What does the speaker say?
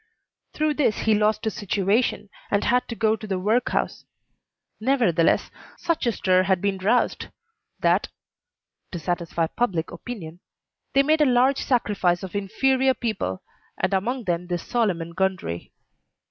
Through this he lost his situation, and had to go to the workhouse; nevertheless, such a stir had been roused that (to satisfy public opinion) they made a large sacrifice of inferior people, and among them this Solomon Gundry.